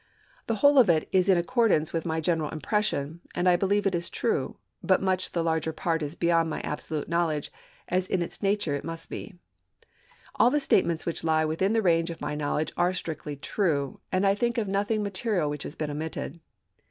The whole of it is in accordance with 454 ABRAHAM LINCOLN chap. xix. my general impression, and I believe it is true ; but much the larger part is beyond my absolute knowledge, as in its nature it must be. All the statements which lie within the range of my knowledge are strictly true ; and I think of nothing material which has been omitted.